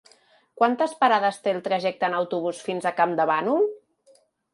Quantes parades té el trajecte en autobús fins a Campdevànol?